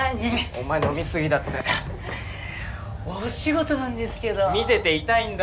お前飲みすぎだってお仕事なんですけど見てて痛いんだ